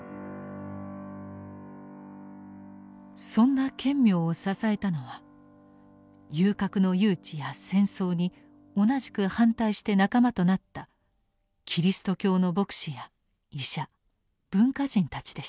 そんな顕明を支えたのは遊郭の誘致や戦争に同じく反対して仲間となったキリスト教の牧師や医者文化人たちでした。